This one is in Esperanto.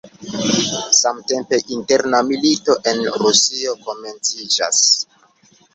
Samtempe, interna milito en Rusio komenciĝas.